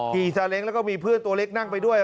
ซาเล้งแล้วก็มีเพื่อนตัวเล็กนั่งไปด้วย